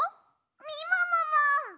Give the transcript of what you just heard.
みももも！